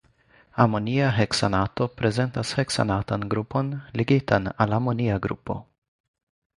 Amonia heksanato prezentas heksanatan grupon ligitan al amonia grupo.